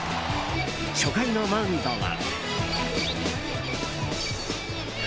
初回のマウンドは。